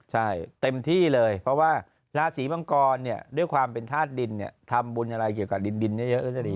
ใช่เต็มที่เลยเพราะว่าชาวหลาสีมะกอมเนี่ยด้วยความเป็นทาสดินเนี่ยทำบุญอะไรเกี่ยวกับดินเยอะจะดี